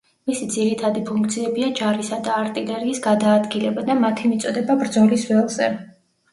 მისი ძირითადი ფუნქციებია ჯარისა და არტილერიის გადაადგილება და მათი მიწოდება ბრძოლის ველზე.